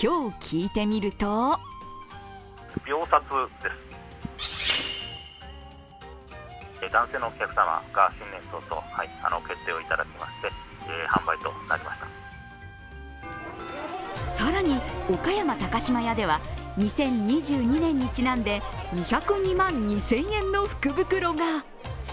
今日、聞いてみると更に岡山高島屋では２０２２年にちなんで、２０２万２０００円の福袋が。